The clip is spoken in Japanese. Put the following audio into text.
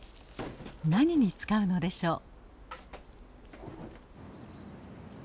何に使うのでしょう？